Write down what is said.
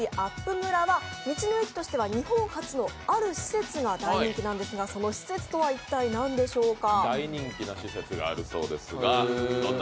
むらは道の駅としては日本初のある施設が大人気なんですが、その施設とは一体何でしょうか。